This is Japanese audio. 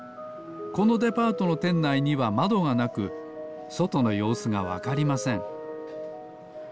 このデパートのてんないにはまどがなくそとのようすがわかりません。